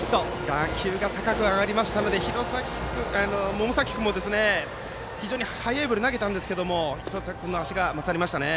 打球が高く上がったので百崎君も非常に速いボールを投げたんですけど廣崎君の足が勝りましたね。